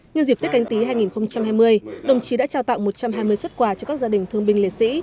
nhân dịp tết canh tí hai nghìn hai mươi đồng chí đã trao tặng một trăm hai mươi xuất quà cho các gia đình thương binh liệt sĩ